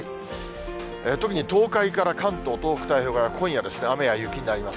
特に東海から関東、東北太平洋側、今夜、雨や雪になります。